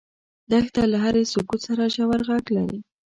دښته له هرې سکوت سره ژور غږ لري.